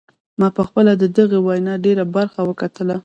ما پخپله د دغې وینا ډیره برخه وکتله.